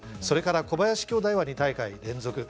それから小林兄弟は２大会連続。